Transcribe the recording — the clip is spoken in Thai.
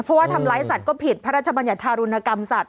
เพราะว่าทำร้ายสัตว์ก็ผิดพระราชบัญญัติธารุณกรรมสัตว